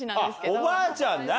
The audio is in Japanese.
おばあちゃんな。